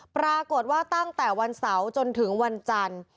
ปรากฏว่าตั้งแต่วันเสาร์จนถึงวันจันทร์